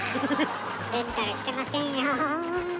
レンタルしてませんよ。